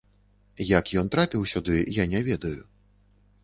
Як ён трапіў сюды, я не ведаю.